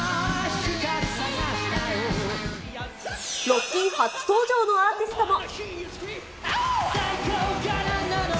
ロッキン初登場のアーティストも。